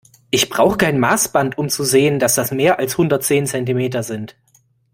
Ich brauche kein Maßband, um zu sehen, dass das mehr als hundertzehn Zentimeter sind.